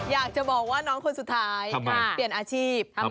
อยากจะบอกว่าน้องคนสุดท้ายเปลี่ยนอาชีพ